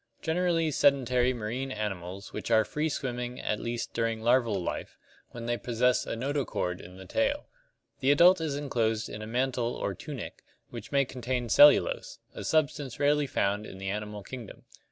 Generally sedentary marine animals which are free swimming at least during larval life, when they possess a notochord in the tail. The adult is enclosed in a mantle or "tunic" which may contain cellulose, a substance rarely found in the animal kingdom.